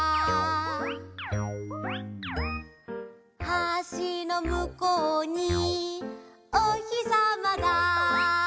「橋のむこうにおひさまだ」